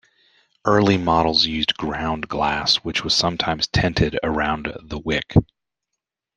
Early models used ground glass which was sometimes tinted around the wick.